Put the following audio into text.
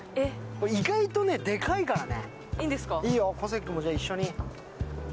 意外とでかいからね。